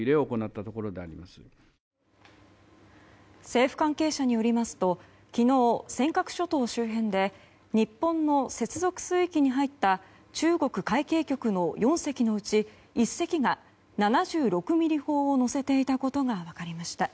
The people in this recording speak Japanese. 政府関係者によりますと昨日、尖閣諸島周辺で日本の接続水域に入った中国海警局の４隻のうち１隻が７６ｍｍ砲を載せていたことが分かりました。